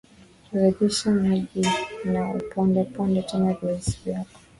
Rudisha maji na upondeponde tena viazi vyako